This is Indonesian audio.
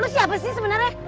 lo siapa sih sebenarnya